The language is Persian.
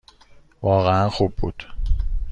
واقعاً خوب بود.